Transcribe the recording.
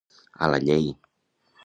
A la llei.